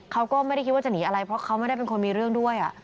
เขาก็ไม่ได้คิดว่าจะหนีอะไรเพราะเขาไม่ได้เป็นคนมีเรื่องด้วย